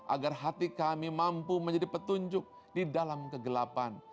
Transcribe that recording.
agar hati kami mampu menjadi petunjuk di dalam kegelapan